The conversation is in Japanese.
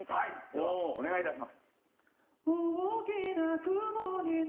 ではお願いいたします。